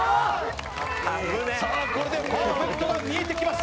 これでパーフェクトが見えてきました。